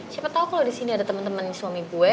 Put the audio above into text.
siapa tau kalo disini ada temen temen suami gue